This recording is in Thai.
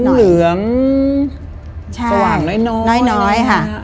เหลืองสว่างน้อยค่ะ